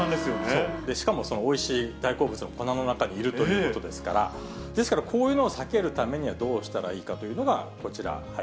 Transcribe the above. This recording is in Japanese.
そう、で、しかもおいしい粉の中にいるということですから、ですからこういうのを避けるためには、どうしたらいいかというのが、こちら。